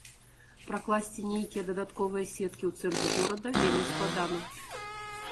Пракласці нейкія дадатковыя сеткі ў цэнтры горада вельмі складана.